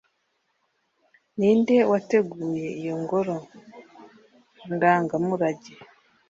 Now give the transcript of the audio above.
ninde wateguye iyo ngoro ndangamurage